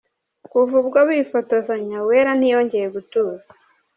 Kuva ubwo bifotozanya, Uwera ntiyongeye gutuza.